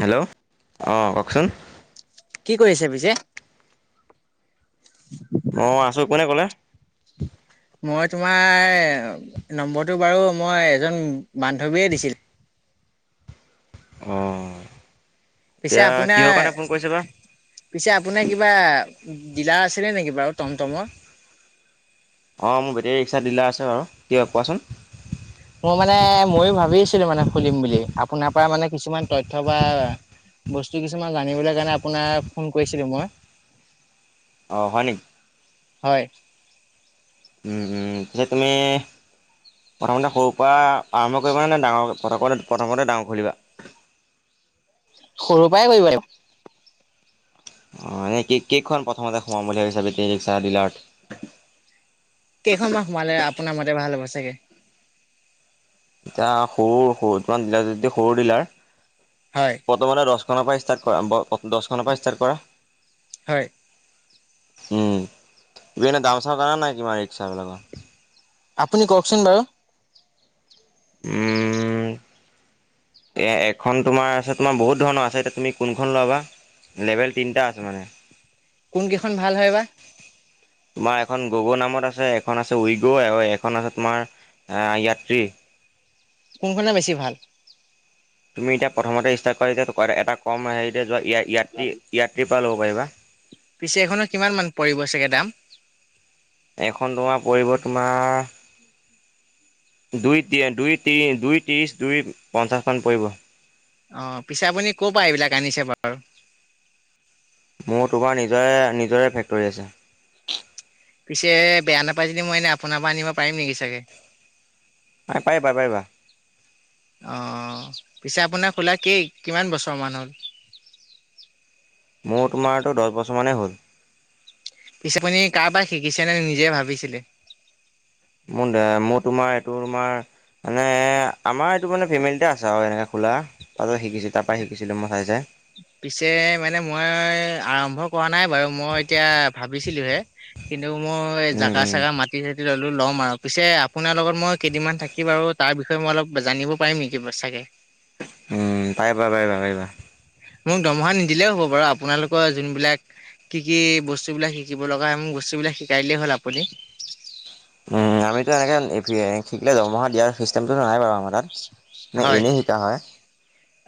Hello অঁ কওকচোন কি কৰিছে পিছে? অ আছোঁ কোনে ক'লে মই তোমাৰ নম্বৰটো বাৰু মই এজন বান্ধৱীয়ে দিছিল অঁ পিছে এতিয়া আপোনাৰ কিহৰ কাৰণে ফোন কৰিছে বা পিছে আপোনাৰ কিবা দিলাৰ আছিলে নেকি বাৰু টমটমৰ অঁ মোৰ বেটেৰী ৰিক্সা ডিলাৰ আছে বাৰু কিয় কোৱাচোন মোৰ মানে ময়ো ভাবি আছিলো মানে খুলিম বুলি আপোনাৰ পৰা মানে কিছুমান তথ্য বা বস্তু কিছুমান জানিবলৈ কাৰণে আপোনাৰ ফোন কৰিছিলো মই অঁ হয় নেকি হয় উম উম পিছে তুমি প্ৰথমতে সৰু পা আৰম্ভ কৰিবা নে ডাঙৰ প্ৰথমতে প্ৰথমতে ডাঙৰ খুলিবা সৰুৰ পাই কৰিব লাগিব অ এনে কে কেখন প্ৰথমতে সোমাম বুলি ভাবিছা বেটেৰী ৰিক্সা ডিলাৰত কেইখন মান সোমালে আপোনাৰ মতে ভাল হ'ব চাগে এতিয়া সৰু সৰু তোমাৰ ডিলাৰ যদি সৰু ডিলাৰ হয় প্ৰথমতে দছখনৰ পা ষ্টাৰ্ট হয় ব দছখনৰ পা ষ্টাৰ্ট কৰা হয়। উম তুমি এনে দাম চাম জানা নাই কিমান ৰিক্সা বিলাকৰ আপুনি কওকচোন বাৰু। উম। এ এখন তোমাৰ আছে তোমাৰ বহুত ধৰণৰ আছে এতিয়া তুমি কোনখন লবা। লেভেল তিনিটা আছে মানে। কোন কেইখন ভাল হয় বা। তোমাৰ এখন গগৈ নামত আছে এখন আছে উইগ এখন আছে তোমাৰ আহ য়াত্ৰী কোনখনে বেছি ভাল? তুমি এতিয়া প্ৰথমতে ষ্টাৰ্ট কৰা যেতিয়া ত কৰে এটা কম সেইতে যোৱা ই আই য়াত্ৰী য়াত্ৰীৰ পৰা ল'ব পাৰিবা। পিছে এখনৰ কিমান মান পৰিব চাগে দাম? এখন তোমাৰ পৰিব তোমা দুই দুতিয়া দুই ত্ৰিশ দুই পঞ্চাচমান পৰিব। অ', পিছে আপুনি ক'ৰ পৰা এইবিলাক আনিছে বা মোৰ তোমাৰ নিজৰে নিজৰে ফেক্টৰী আছে। পিছে বেয়া নাপাই যদি মই এনে আপোনাৰ পৰা আনিব পাৰিম নেকি চাগে। প পাৰিবা পাৰিবা। অ', পিছে আপোনাৰ খোলা কি কিমান বছৰমান হ'ল? মোৰ তোমাৰতো দহ বছৰ মানেই হ'ল। পিছেপনি কাৰোবাক শিকিছে নে নিজে ভাবিছিলে। মোৰ দে মই তোমাৰ এইটো তোমাৰ মানে আমাৰ এইটো মানে ফেমিলিতে আছে আৰু এনেকে খোলা তাতে শিকিছো তাৰ পৰা শিকিছিলো মই চাই চাই। পিছে মানে মই আৰম্ভ কৰা নাই বাৰু মই এতিয়া ভাবিছিলোহে কিন্তু কিন্ত মই এই উম জাকা উম চাকা মাতি থ ললো ল'ম আৰু পিছে আপোনাৰ লগত মই কেইদিনমান থাকি বাৰু তাৰ বিষয়ে মই অলপ জানিব পাৰিম নেকি চাগে। [unintelligible] উম, পাই প পাই পাইিবা। মোক দৰমহা নিদিলে হ'ব বাৰু আপোনালোকৰ যোনবিলাক কি কি বস্তু বিলাক শিকিব লগা হয় মোক স্তু বিলাক শিকাইলেই হ'ল আপুনি উম আমিতো এনেকে শিকিলে দৰমহা দিয়াৰ চিষ্টেমটো নাই বাৰু। [unintelligible] হয়। এনেই শিকা হয়।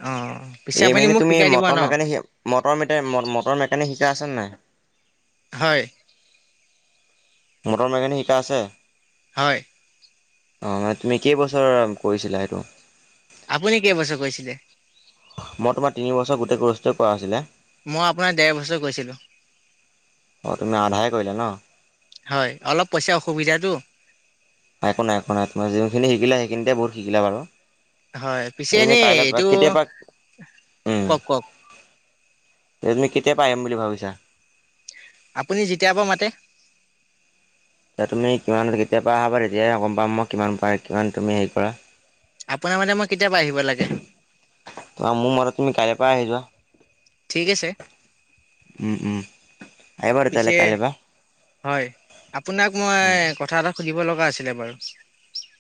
অঁ পিছে এই আপুনি মানে মোক তুমি শিকাই দিব ন মটৰ মেকানিক মৰ ম মটৰ মেকানিক শিকা আছে নাই। হয়। মটৰ মেকেনিক শিকা আছে। হয়। অ', মানে তুমি কেইবছৰ কৰিছিলা সেইটো। আপুনি কেইবছৰ কৰিছিলে? সেইটো কোৱা হৈছিলে। মই আপোনাৰ দেৰ বছৰ কৰিছিলো। অঁ তুমি আধাহে কৰিলা ন হয় অলপ পইচা অসুবিধাটো। একো নাই, একো নাই তোমাৰ যোনখিনি শিকিলে সেইখিনিতে বহুত শিকিলা বাৰু। হয় পিছে তুমি এনেই কাইলৈ প এইটো কেতিয়া পা উ কওক কওক তুমি কেতিয়া পৰা আহিম বুলি ভাবিছা। আপুনি যেতিয়াৰ পৰা মাতে। এতিয়া তুমি কিমান যেতিয়াৰা পৰা আহা তেতিয়াহে গম পাম মোক কিমান পাই কিমান তুমি হেৰি কৰা। আপোনাৰ মতে মই কেতিয়া পৰা আহিব লাগে। তোমাৰ মোৰ মতে তুমি কাইলৈ পৰা আহি যোৱা ঠিক আছে উম, উম। আহিবা পিছে তেতিয়াহ'লে কাইলৈ পৰা হয় আপোনাক মই উম কথা এটা সুধিব লগা আছিলে বাৰু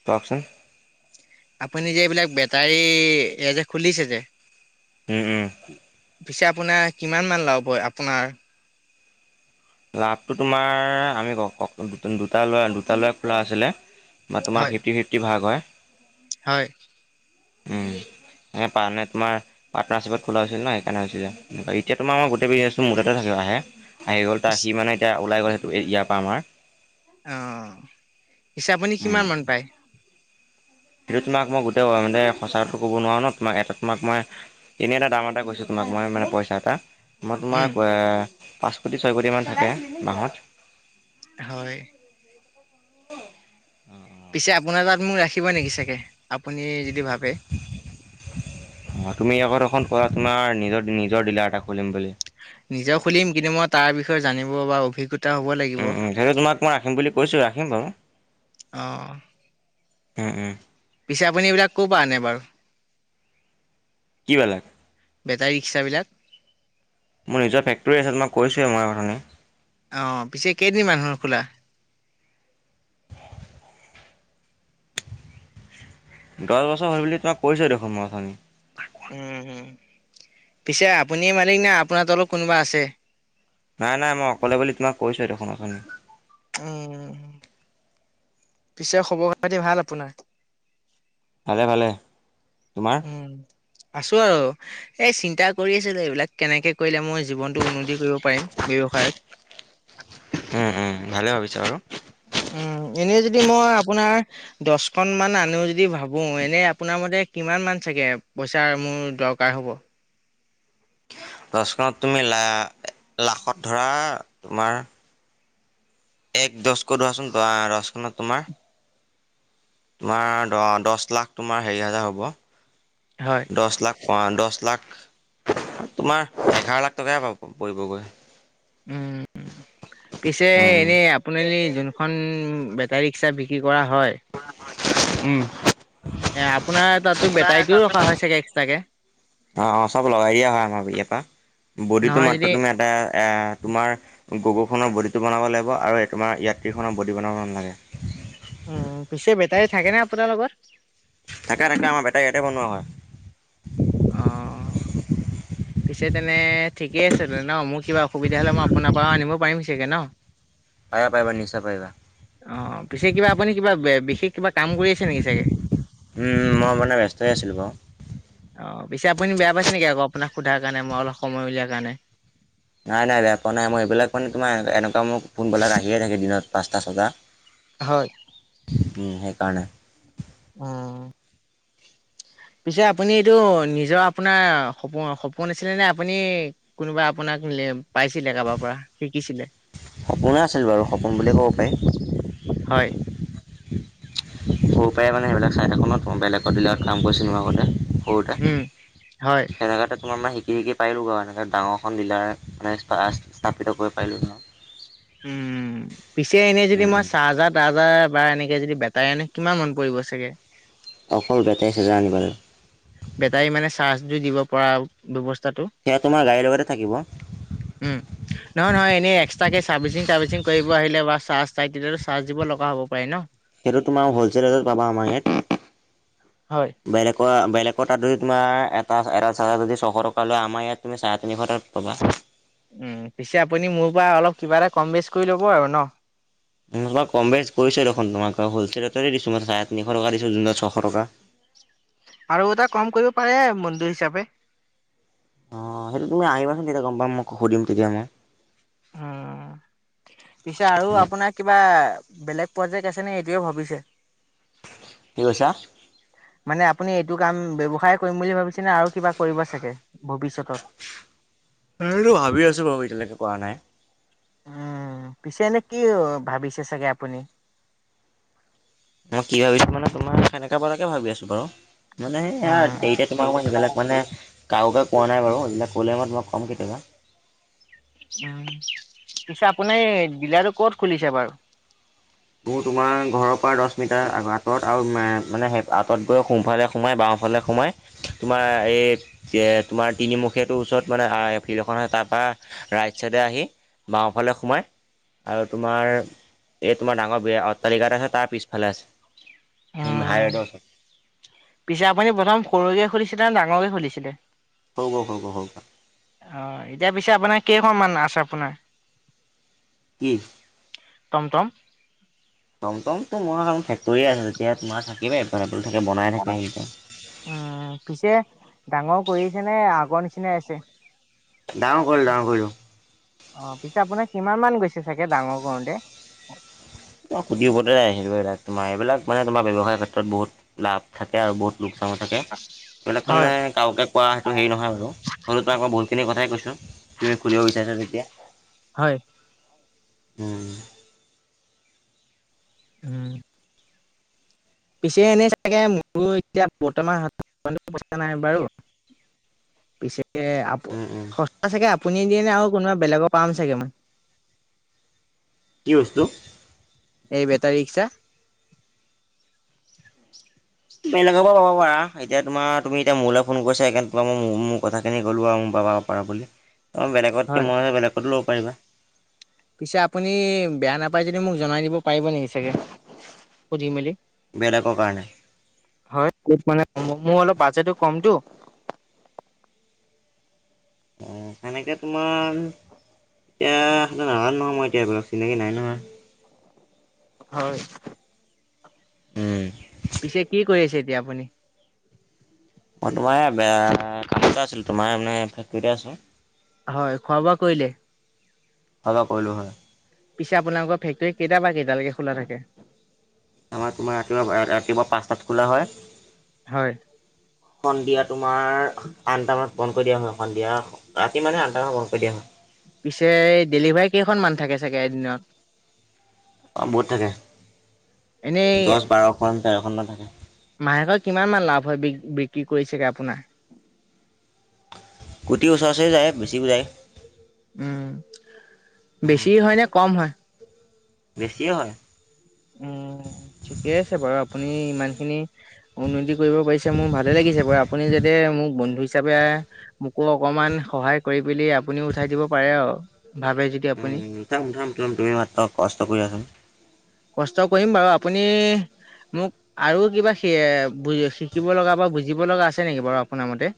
কওকচোন আপুনি যে এইবিলাক তাই এ যে খুলিছে যে। উম, উম। পিছে আপোনাৰ কিমান মান লাভ হয়। আপোনাৰ লাভটো তোমাৰ আমি দুটা ল'ৰা দুটা ল'ৰা খোলা আছিলে বা তোমাৰ হয় ফিফ্টি ফিফ্টি ভাগ হয়। হয়। মই পাৱা নাইট মানে তোমাৰ পাটৰ্নাৰশ্বিপত খোলা আছিল ন সেইকাৰণে এতিয়া তোমাৰ গোটেই বিজনেছ টো মোৰতাতে থাকে। আহে আহি গ'ল তাত সি মানে এতিয়া ওলাই গ'ল সেইটো ইয়াৰ পৰা আমাৰ অ', পিছে আপুনি কিমান উম মান পায়? সেইটো তোমাক মই গোটেই মানে সঁচাটো ক'ব নোৱাৰো ন তোমাক এটা তোমাক মই এনেই এটা দাম এটা কৈছোঁ তোমাক মই মানে পইচা এটা মই তোমাৰ উম পাঁচ কোটি ছয় কোটি মান থাকে মাহত হয়। পিছে আপোনাৰ তাত মোক ৰাখিব নেকি চাগে আপুনি যদি ভাবে। অ', তুমি আগত দেখোন কোৱা তোমাৰ নিজৰ ডিলাৰ এটা খুলিম বুলি। নিজেও খুলিম কিন্তু মই তাৰ বিষয়ে জানিব বা অভিজ্ঞতা হ'ব লাগিব উম, উম, সেইেটো তোমাক মই ৰাখিম বুলি কৈছোঁ ৰাখিম বাৰু। উম, অ উম। পিছে আপুনি এইবিলাক কৰপৰা আনে বাৰু। কি মানে বেটাৰী ৰিক্সাবিলাক মোৰ নিজৰ ফেক্টৰী আছে, মই কৈছোৱেই মই অথনিৰ। অ' পিছে কেইদিনমান হ'ল খোলা। দহ বছৰ হ'ল বুলি তোমাক কৈছোঁ দেখোন মই অথনিৰ। উম, পিছে আপুনি মালিক নে, আপোনাৰ তলত কোনবা আছে। নাই নাই মই অকলে বুলি তোমাক কৈছোঁ এই দেখোন অথনিৰ। উম, পিছে খবৰ খাতি ভাল আপোনাৰ। ভালে ভালে তোমাৰ। উম আছো আৰু এই চিন্তা কৰি আছিলো। এইবিলাক কেনেকে কৰিলে মই জীৱনতটো উন্নতি কৰিব পাৰিম। ব্যৱসায়ত উম, উম, ভালে ভাবিছা বাৰু। এনেই যদি মই আপোনাৰ দছখনমান আনো যদি ভাবো এনেই আপোনাৰ মতে কিমান মান চাগে পইচা মোৰ দৰকাৰ হ'ব। দছখনত তুমি লা লাখত ধৰা তোমাৰ এক দছকৈ ধৰাচোন দছখনত তোমাৰ তোমাৰ দ দছ লাখ তোমাৰ হেৰি হাজাৰ হ'ব হয় দছ লাখ অহ দছ লাখ তোমাৰ এঘাৰ লাখ টকাই পাব পৰিবগৈ। উম, পিছে এনেই উম। আপুনি যোনখন বেটাৰী ৰিক্সা বিকি কৰা হয়। উম। এ আপোনাৰ তাতো বেটাৰীতটোও ৰখা হয় চাগে এক্সট্ৰাকে। অ' অ' চ'ব লগাই দিয়া হয় আমাৰ ইয়াৰ পৰা। বডিটো নহয় যদি মাত্ৰ তুমি এটা এ তোমাৰ গগ খনৰ বডি টো বনাব লাগিব আৰু তোমাৰ ইয়াত্ৰীখনৰ বডি বনাব নালাগে। উম, পিছে বেটাৰী থাকে ন আপোনাৰ লগত। থাকে থাকে আমাৰ বেটাই ইয়াতে বনোৱা হয়। আহ পিছে তেনে ঠিকে আছে ন মোৰ কিবা অসুবিধা হ'লে মই আপোনাৰ পৰাও আনিব পাৰিম চাগে ন। পাৰিবা পাৰিবা নিশ্বয় পাৰিবা। অ' পিছে কিবা আপুনি কিবা বিশেষ কিবা কাম কৰি আছে নেকি চাগে? মই মানে ব্যস্ত হৈ আছিলোঁ বাৰু। অ' পিছে আপুনি বেয়া পাইছে নেকি আকৌ আপোনাক সোধাৰ কাৰণে, মই অলপ সময় উলিয়াৰ কাৰণে? নাই নাই বেয়া পোৱা নাই মই এইবিলাক মানে তোমাৰ এনেকুৱা মোক ফোনবালাই আহিয়ে থাকে দিনত পাঁচটা ছটা। হয়। উম, সেইকাৰণে উম, পিছে আপুনি এইটো নিজৰ আপোনাৰ সপোন সপোন আছিলে নে আপুনি কোনোবা আপোনাৰ পাইছিলে কাৰোবাৰ পৰা শিকিছিলে? সপোনে আছিল বাৰু সপোন বুলিয়ে ক'ব হয় পাৰি। উপায় মানে সেইবিলাক চাই থাকক নত বেলেত দিলাত কাম কৰিছিলো আগতে কৰো'টে উম হয় সেইনেকা তাত তোমাৰ মানে শিকি শিকি পাৰিলোঁ বাৰু এনেকৈ ডাঙৰখন জিলাৰ মানে স্থাপিত কৰি পাৰিলোঁ ধৰ। উম, পিছে এনে যদি মই উম, চাজা যাহ তাহজাহ [unintelligible] বা এনেকে যদি বেটাই আনে কিমান মন পৰিব চাগে। অকল বেটাৰি চাজাৰ আনিবা লাগিব। বেটাৰী মানে চাৰ্জো দিব পৰা ব্যৱস্থাৰ সেয়া তোমাৰ গাড়ী লগতে থাকিব। উম, নহয় নহয় এনে এক্সট্ৰাকে চাৰ্ভিচিং তাৰ্ভিচিং কৰিব আহিলে বা চাৰ্জ চাই তেতিয়াটো চাৰ্জ দিব লগা হ'ব পাৰে ন। সেইটো তোমাৰ হলচেলটত পাবা আমাৰ ইয়াত হয়। বেলেগ বেলেগৰ তাত যদি তোমাৰ এটা এটা চাৰ্জাৰ যদি ছশ টকা লয় আমাৰ ইয়াত তুমি চাৰে তিনিশটাত পাবা। উম, পিছে আপুনি মোৰ পৰা অলপ কিবা এটা কম বেচ কৰি ল'ব আৰু ন। অলপ কম বেছ কৰিছোঁ দেখোন তোমাক হ'লচেল ৰেততে দিছো মই চাৰে তিনিশ টকা দিছোঁ যোনত ছশ টকা। আৰু এটা কম কৰিব পাৰে মন্দিৰ হিচাপে। অ', সেইটো তুমি আহিবাচোন তেতিয়া গম পাম মই সুধিম তেতিয়া মই। উম, পিছে আৰু আপোনাৰ কিবা বেলেগ প্ৰজেক্ট আছে নে এইটয়ে ভাবিছে কি কৈছা? মানে আপুনি এইটো কাম ব্যৱসায় কৰিম বুলি ভাবিছে নে আৰু কিবা কৰিব চাগে। ভৱিষ্যতত? উম, সেইটো ভাবি আছোঁ বাৰু এতিয়ালৈকে কৰা নাই। উম, পিছে এনে কি ভাবিছে চাগে আপুনি? মই কি ভাবিছোঁ মানে তোমাৰ সেনেকা পৰাকে ভাবি আছো বাৰু। মানে সেয়া উম, এতিয়া তোমাক মই সেইবিলাক মানে কাৰোকে কোৱা নাই বাৰু সেইবিলাক ক'লে, মই তোমাক ক'ম কেতিয়াবা। উম, পিছে আপোনি এই ডিলাৰটো ক'ত খুলিছে বাৰু? তোৰ তোমাৰ ঘৰৰ পৰা দশ মিটাৰ আঁতৰত আৰু মানে আঁত গৈ সোফালে সোমাই বাও হলে সোমাই, তোমাৰ এই তোমাৰ তিনিমুখীয়াটো ওচৰত মানে ফিল্ড এখন হয় তা ৰাইট চাইডে আহি বাওঁফালে সোমায় আৰু তোমাৰ তোমাৰ ডাঙৰ বিয়া অট্টালিকা আছে তাৰ পিছফালে আছে। উম, হাইৱেডৰ ওচৰত পিছে আপুনি প্ৰথম সৰুকে খুলিছিলে নে ডাঙৰকে খুলিছিলে? অ', সৰু ঘৰ সৰু ঘৰ সৰু ঘৰ এতিয়া পিছে আপোনাৰ [unintelligible] আছে আপোনাৰ? কি? টম টম। টম টমটো তোমাৰ ফেক্টৰিয়ে আছে তেতিয়া তোমাৰ থাকিলে উম, পিছে ডাঙৰ কৰিছে নে আগৰ নিচিনা? নিচিনাই আছে। ডাঙৰ কৰিলো ডাঙৰ কৰিলো। অ', পিছে আপোনাৰ কিমান মান গৈছে চাগে ডাঙৰ কৰোতে? [unintelligible] তোমাৰ, এইবিলাক মানে তোমাৰ ব্যৱসায়ৰ ক্ষেত্ৰত বহুত লাভ থাকে আৰু বহুত লোকচানো থাকে। এইবিলাক মানে হয়, কাওকে কোৱা সেইটো হেৰি নহয় বাৰু, হলেও তই আকৌ বহুতখিনি কথাই কৈছোঁ। তুমি খুলিব বিচাৰিছা যেতিয়া। হয় উম। [unintelligible] পিছে এনেই চাগে মোৰ এতিয়া বৰ্তমান হাতত পইচা নাই বাৰু। পিছে আপ উম উম সস্তা চাগে। আপুনি দিয়ে নে আৰু কোনোবা বেলেগৰ পাম চাগেমান। কি বস্তু। বেটাৰি ৰিক্সাৰ বেলেগৰ পৰা পাব পাৰা, এতিয়া তোমাৰ তুমি এতিয়া মোলৈ ফোন কৰিছা সেইকাৰনে তোমাক মই মোৰ-মোৰ কথা খিনি ক'লো আৰু মোৰ পাবা পাবা বুলি, বেলেগতকে হয়, মই বেলেগতো ল'ব পাৰিবা। পিছে আপুনি বেয়া নাপাই যদি মোক জনাই দিব পাৰিব নেকি চাগে সুধি মেলি? বেলেগৰ কাৰণে হয় মানে মোৰ অলপ বাজেটো কমটো। সনেকে তোমাৰ এতিয়া নাজানো নহয় মই এতিয়া এইবিলাক চিনাকি নাই নহয়। হয়, উম। পিছে কি কৰি আছে এতিয়া আপুনি অ' তোমাৰেয়া কামতে আছিল তোমাৰ মানে ফেক্টৰিতে আছো। হয় খোৱা বোৱা কৰিলে? খোৱাৰ বোৱা কৰিলো হয়। পিছে আপোনালোকৰ ফেক্টৰী কেইটা পা কেইটালৈকে খোলা থাকে। আমাৰ তোমাৰ ৰাতিপুৱা ৰাতিপুৱা পাঁচটাত খোলা হয়। হয়। সন্ধিয়া তোমাৰ আঠটামানত বন্ধ কৰি দিয়া হয় সন্ধিয়া ৰাতি মানে আঠটা মানত বন্ধ কৰি দিয়া হয়। পিছে ডেলিভাৰ কেইখনমানান থাকে চাগে এদিনত। অ' বহুত থাকে দহ বাৰখন তেৰখনমানান থাকে। মাহেক কিমান মান লাভ হয় বি বিক্ৰী কৰিছাগে আপোনাৰ। কোটি ওচৰচৰে যায় বেছিও যায়। উম, বেছি হয় নে কম হয়। বেছিয়ে হয়। উম, ঠিকে আছে বাৰু আপুনি ইমান খিনি। উন্নতি কৰিব পাৰিছে মোৰ ভালে লাগিছে আপুনি যাতে মোক বন্ধু হিচাপে হিচাপে মোকো অকমান সহায় কৰি পেলি আপুনিও উঠাই দিব পাৰে আৰু ভাবে যদি উম, আপুনি উম, উঠাম উঠামম তুমি মাত্ৰ কষ্ট কৰি জোৱাছোন। কষ্ট কৰিম বাৰু আপুনি মোক আৰু কিবা সে শিকিব লগা বা বুজিব লগা আছে নেকি বাৰু আপোনাৰ মতে।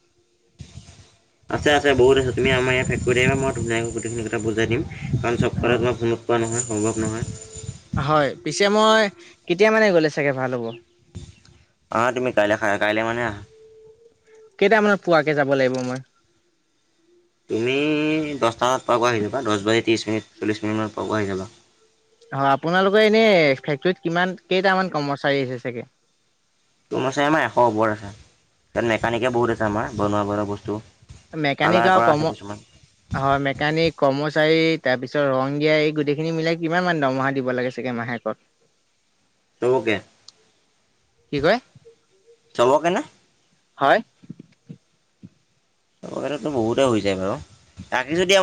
আছে, আছে বহুত আছে তুমি আমাৰ ইয়াত ফেক্টৰীত আহিবা মই তোমাক গোটেইখিনি কথা বুজাই দিম। কাৰণ চ'ব অ কথা তোমাৰ ফোনত কোৱা নহয় সম্ভৱ নহয়। হয়, পিছে মই কেতিয়া মানে গ'লে চাগে ভাল হ'ব। অ' তুমি কাইলৈ খা কাইলৈ মনে আহা। কেইটামানত পোৱাকে যাব লাগিব মই তুমি দহটা বজাত পৈ আহি যাবা দহ বাজি ত্ৰিশ মিনিট চল্লিশ মিনিট মানত পোৱাকৈ আহি যাবা। অ' আপোনালোকৰ এনে ফেক্টৰীত কিমান কেইটামান কৰ্মচাৰী আছে চাগে। ত আছে আমাৰ এশ ওপৰত আছে মেকানিকে বহুত আছে আমাৰ বনোৱা বনোৱা বস্তু। মেকানিক কালাৰ আৰু কৰা আছে কৰ্ম কিছুমান হয় মেকানিক কৰ্মচ চাৰি তাৰ পিছত ৰংদিয়া এই গোটেই খিনি মিলাই কিমান মান দৰমহা দিব লাগে চাগে মাহেকত। চবকে কি কয় চবকেনে। হয়। [unintelligible] বহুতে হৈ যায় বাৰু তাকে যদি